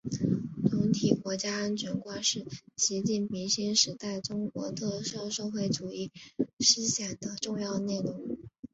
总体国家安全观是习近平新时代中国特色社会主义思想的重要内容